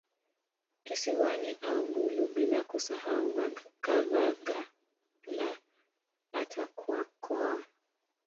Kisiwani au Ngullu bila kusahau Kavagala hata Kwakoa